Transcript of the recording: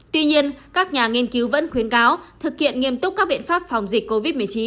tuy nhiên các nhà nghiên cứu vẫn khuyến cáo thực hiện nghiêm túc các biện pháp phòng dịch covid một mươi chín